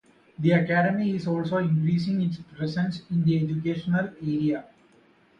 The Academy is also increasing its presence in the educational area.